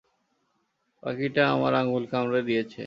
পাখিটা আমার আঙুল কামড়ে দিয়েছে!